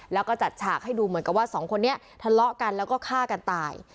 แล้วก็จัดฉากให้ดูเหมือนกับว่าสองคนนี้ทะเลาะกันแล้วก็ฆ่ากันตาย